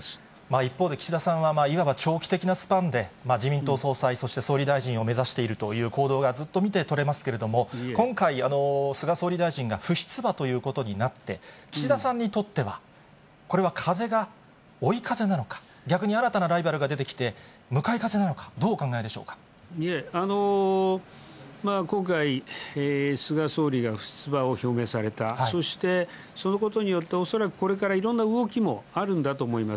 一方で岸田さんはいわば長期的なスパンで、自民党総裁、そして総理大臣を目指しているという行動がずっと見て取れますけれども、今回、菅総理大臣が不出馬ということになって、岸田さんにとっては、これは風が追い風なのか、逆に新たなライバルが出てきて向かい風なのか、どうお考えでしょ今回、菅総理が不出馬を表明された、そして、そのことによって、恐らくこれからいろんな動きもあるんだと思います。